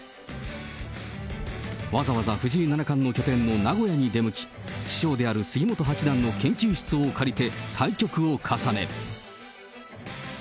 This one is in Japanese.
わざわざ藤井七冠の拠点の名古屋に出向き、師匠である杉本八段の研究室を借りて、対局を重ね。